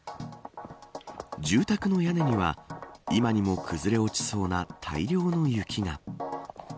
住宅の屋根には今にも崩れ落ちそうな大量の雪が。